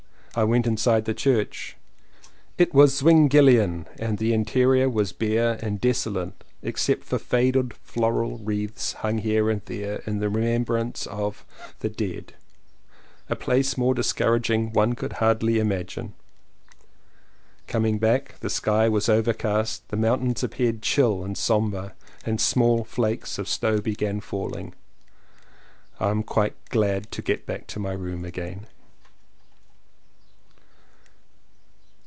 I went inside the church; it was Zwinglian, and the interior was bare and desolate except for faded floral wreaths hung here and there in remembrance of 235 CONFESSIONS OF TWO BROTHERS the dead — a place more discouraging one could hardly imagine. Coming back the sky was overcast — the mountains appeared chill and sombre and small flakes of snow began falling. I am quite glad to get back to my room again.